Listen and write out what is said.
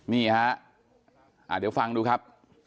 นี่ฮะเดี๋ยวฟังดูครับ